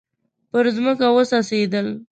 پر مځکه وڅڅیدل